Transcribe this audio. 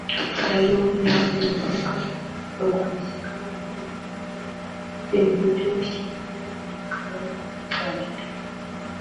Aya yombi yahaye urubuga abarwanashyaka bayo bafata icyemezo cyo gushyigikira Perezida Kagame nk’umukandida